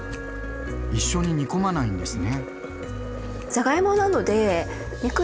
一緒に煮込まないんですね。